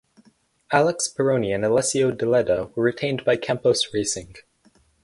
Alex Peroni and Alessio Deledda were retained by Campos Racing.